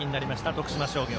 徳島商業。